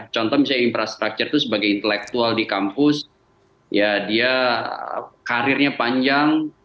contoh misalnya infrastruktur itu sebagai intelektual di kampus ya dia karirnya panjang